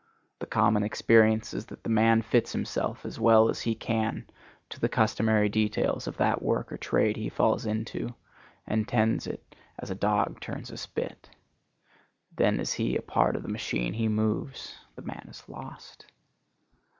The common experience is that the man fits himself as well as he can to the customary details of that work or trade he falls into, and tends it as a dog turns a spit. Then is he a part of the machine he moves; the man is lost.